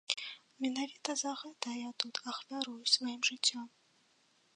Менавіта за гэта я тут ахвярую сваім жыццём.